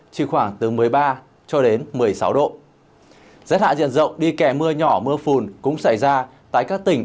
chỉ khoảng từ một mươi ba cho đến một mươi sáu độ rét hại diện rộng đi kèm mưa nhỏ mưa phùn cũng xảy ra tại các tỉnh